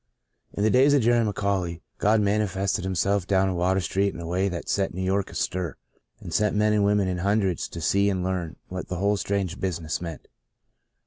IN the days of Jerry McAuley, God man ifested Himself down in Water Street in a way that set New York astir and sent men and women in hundreds to see and learn what the whole strange business meant.